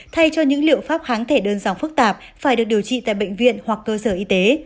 thay cho những liệu pháp kháng thể đơn giản phức tạp phải được điều trị tại bệnh viện hoặc cơ sở y tế